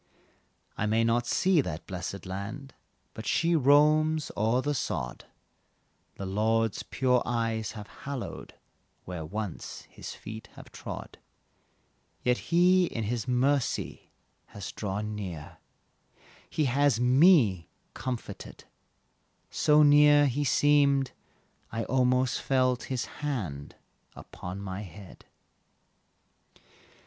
I may not see that blessed land, But she roams o'er the sod The Lord's pure eyes have hallowed, Where once His feet have trod. Yet He in mercy has drawn near, He has me comforted So near He seemed I almost felt His hand upon my head.